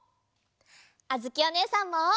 あづきおねえさんも！